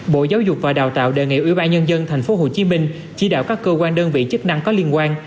bộ giáo dục và đào tạo đề nghị ủy ban nhân dân tp hcm chỉ đạo các cơ quan đơn vị chức năng có liên quan